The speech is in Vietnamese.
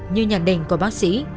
như nhận định của bác sĩ